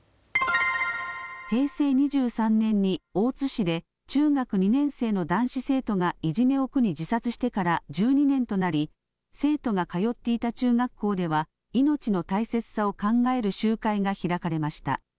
平成２３年に大津市で中学２年生の男子生徒がいじめを苦に自殺してから１２年となり生徒が通っていた中学校では命の大切さを考える集会が開かれました。